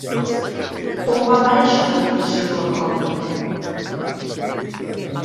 On va aparèixer l'adaptació al còmic?